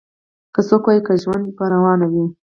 که څوک وي او کنه ژوند به روان وي